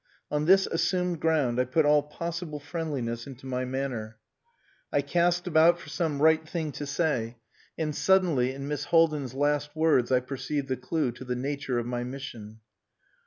On this assumed ground I put all possible friendliness into my manner. I cast about for some right thing to say, and suddenly in Miss Haldin's last words I perceived the clue to the nature of my mission.